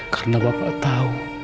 karena bapak tahu